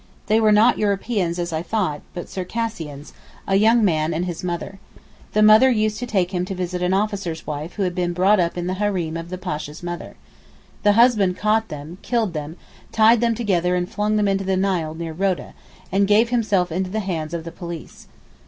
They were not Europeans as I thought, but Circassians—a young man and his mother. The mother used to take him to visit an officer's wife who had been brought up in the hareem of the Pasha's mother. The husband caught them, killed them, tied them together and flung them into the Nile near Rhoda, and gave himself into the hands of the police.